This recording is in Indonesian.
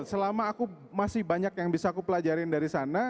selama aku masih banyak yang bisa aku pelajarin dari sana